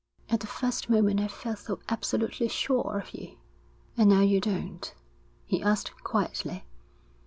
'At the first moment I felt so absolutely sure of you.' 'And now you don't?' he asked quietly.